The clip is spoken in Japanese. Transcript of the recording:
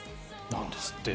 なんですって。